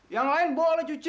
yang lain boleh cuci